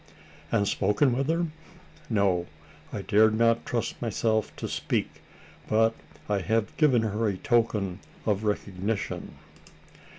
"And spoken with her?" "No I dared not trust myself to speak; but I have given her a token of recognition."